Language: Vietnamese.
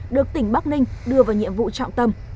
được tỉnh bắc ninh đưa vào nhiệm vụ trọng tâm